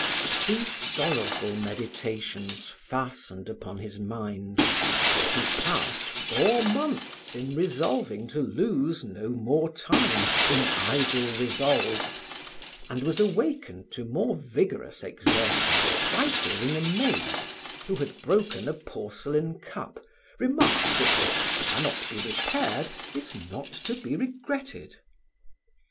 These sorrowful meditations fastened upon his mind; he passed four months in resolving to lose no more time in idle resolves, and was awakened to more vigorous exertion by hearing a maid, who had broken a porcelain cup, remark that what cannot be repaired is not to be regretted.